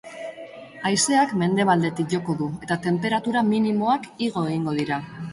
Haizeak mendebaldetik joko du, eta tenperatura minimoak igo egingo dira.